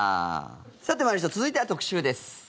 さて、参りましょう続いては特集です。